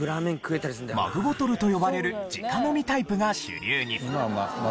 マグボトルと呼ばれる直飲みタイプが主流に。